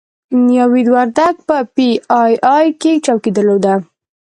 نوید وردګ په پي ای اې کې چوکۍ درلوده.